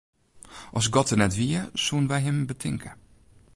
As God der net wie, soenen wy him betinke.